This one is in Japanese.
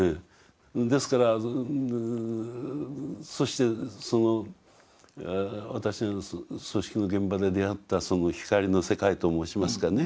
ですからそしてその私の葬式の現場で出会ったその光の世界と申しますかね